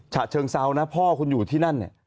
ฉะเชิงเซานะพ่อคุณอยู่ที่นั่นเนี่ย